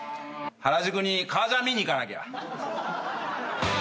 原宿に革ジャン見に行かなきゃ。